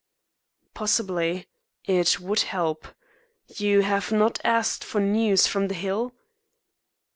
"Possibly. It would help. You have not asked for news from the Hill."